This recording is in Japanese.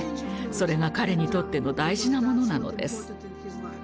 それが彼にとっての大事なものなのです。